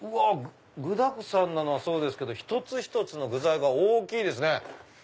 具だくさんなのはそうですけど一つ一つの具材が大きいですね。